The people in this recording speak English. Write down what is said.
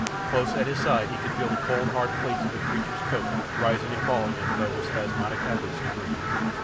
Close at his side he could feel the cold, hard plates of the creature's coat rising and falling as though with spasmodic efforts to breathe.